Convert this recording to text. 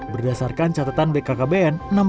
berdasarkan catatan bkkbn